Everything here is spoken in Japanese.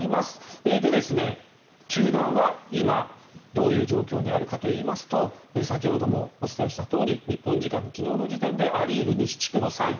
それで球団は今どういう状況にあるかといいますと先ほどもお伝えしたとおり日本時間の昨日の時点でア・リーグ西地区の３位。